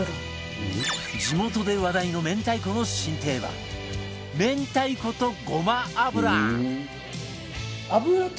地元で話題の明太子の新定番明太子とごま油